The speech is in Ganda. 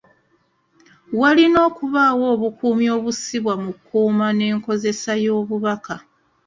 Walina okubaawo obukuumi obussibwa ku nkuuma n'enkozesa y'obubaka.